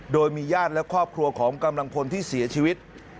โดยมีญาติและครอบครัวของกำลังพลที่เสียชีวิต